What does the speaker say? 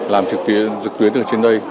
làm trực tuyến từ trên đây